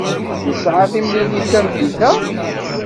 Nesɛa timlilit tameddit-a?